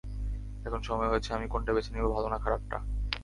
এখন সময় হয়েছে আমি কোনটা বেছে নিব, ভালো না খারাপটা।